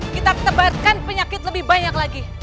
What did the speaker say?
kita tebarkan penyakit lebih banyak lagi